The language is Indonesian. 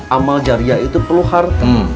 amal jariah itu perlu harta